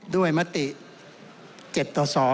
ด้วยมติ๗ต่อ๒